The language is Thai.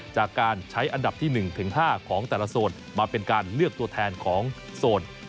จากการใช้อันดับที่๑๕ของแต่ละโซนมาเป็นการเลือกตัวแทนของโซน